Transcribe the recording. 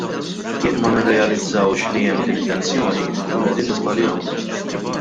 Jekk ma nirrealizzawx li hemm din it-tensjoni, inkunu qegħdin niżbaljaw.